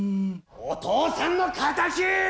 お父さんの敵！